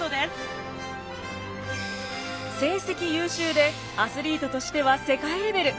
成績優秀でアスリートとしては世界レベル。